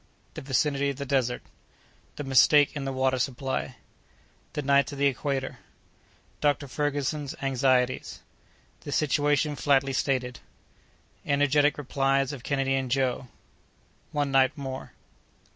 —The Vicinity of the Desert.—The Mistake in the Water Supply.—The Nights of the Equator.—Dr. Ferguson's Anxieties.—The Situation flatly stated.—Energetic Replies of Kennedy and Joe.—One Night more.